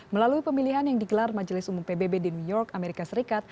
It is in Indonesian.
melalui pemilihan yang digelar majelis umum pbb di new york amerika serikat